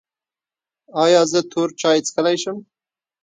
ایا زه تور چای څښلی شم؟